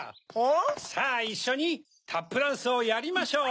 さぁいっしょにタップダンスをやりましょう！